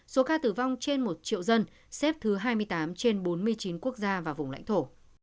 số ca tử vong trên một triệu dân xếp thứ hai mươi tám trên bốn mươi chín quốc gia và vùng lãnh thổ